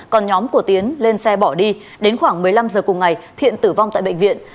còn nhóm của tiến lên xe bỏ đi đến khoảng một mươi năm giờ cùng ngày thiện tử vong tại bệnh viện